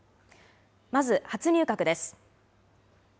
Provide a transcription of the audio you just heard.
まず初入閣です。